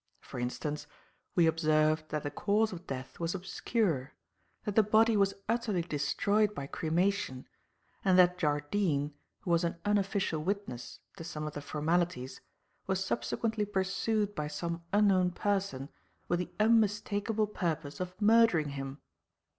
For instance, we observed that the cause of death was obscure, that the body was utterly destroyed by cremation and that Jardine, who was an unofficial witness to some of the formalities, was subsequently pursued by some unknown person with the unmistakable purpose of murdering him.